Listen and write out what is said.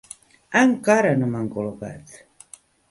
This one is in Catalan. Encara no m'han col·locat.